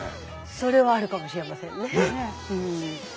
それはあるかもしれませんね。